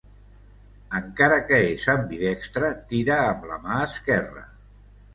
Encara que és ambidextre, tira amb la mà esquerra.